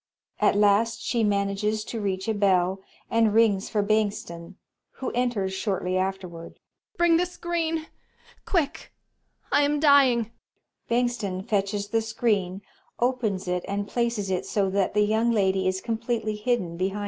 At last she manages to reach a bell and rings for Bengtsson, who enters shortly afterward. Young Ladt. Bring the screen ! Quick ! I am dying ! Bengtsson fetches the screen, opens it and places it so that the Young Ladt is completely hidden behind U.